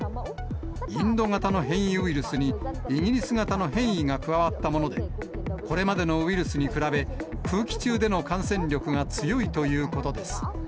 インド型の変異ウイルスに、イギリス型の変異が加わったもので、これまでのウイルスに比べ、空気中での感染力が強いということです。